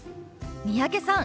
三宅さん